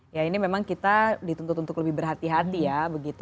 ya ini memang kita dituntut untuk lebih berhati hati ya begitu